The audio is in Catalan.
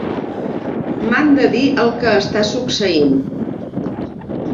M'han de dir el que està succeint.